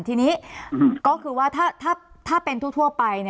ทีนี้ก็คือว่าถ้าเป็นทั่วไป